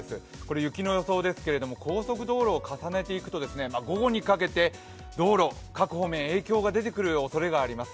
雪の予想ですけれども高速道路を重ねてみますと午後にかけて道路、各方面、影響が出てくるおそれがあります。